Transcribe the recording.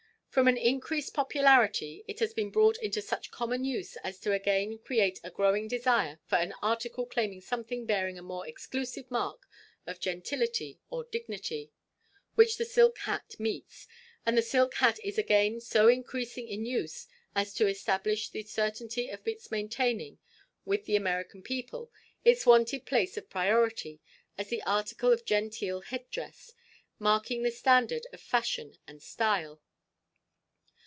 From an increased popularity it has been brought into such common use as to again create a growing desire for an article claiming something bearing a more exclusive mark of gentility or dignity, which the silk hat meets, and the silk hat is again so increasing in use as to establish the certainty of its maintaining with the American people its wonted place of priority as the article of genteel head dress, marking the standard of fashion and style.